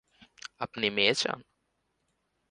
আপনি মেয়ে চান?